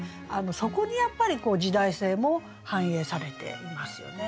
そこにやっぱり時代性も反映されていますよね。